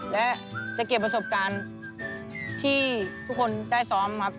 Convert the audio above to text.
และจะเก็บประสบการณ์ที่ทุกคนได้ซ้อมครับ